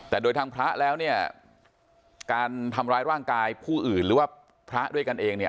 แต่โดยทางพระแล้วเนี่ยการทำร้ายร่างกายผู้อื่นหรือว่าพระด้วยกันเองเนี่ย